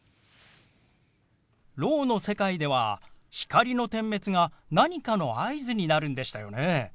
ろうの世界では光の点滅が何かの合図になるんでしたよね。